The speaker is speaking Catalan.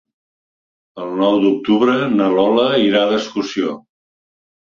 El nou d'octubre na Lola irà d'excursió.